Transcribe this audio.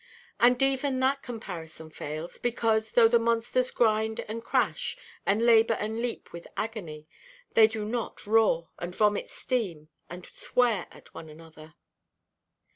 And even that comparison fails, because, though the monsters grind and crash, and labour and leap with agony, they do not roar, and vomit steam, and swear at one another.